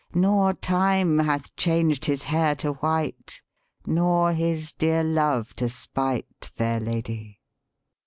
Nor time hath changed His hair to white, Nor His dear love to spite, Fair Lady.